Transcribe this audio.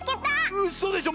うそでしょ